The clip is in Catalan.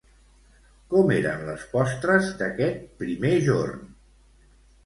Com eren les postres d'aquest primer jorn?